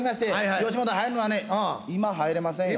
吉本入るのはね今入れませんよ。